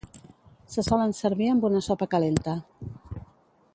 Se solen servir amb una sopa calenta.